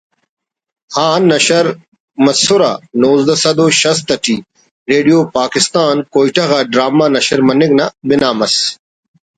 آن نشر مسرہ نوزدہ سد و شست ٹی ریڈیو پاکستان کوئٹہ غا ڈرامہ نشر مننگ نا بنا مس